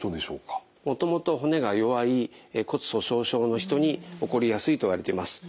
もともと骨が弱い骨粗しょう症の人に起こりやすいといわれています。